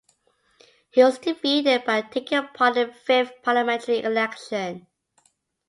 He was defeated by taking part in the fifth parliamentary election.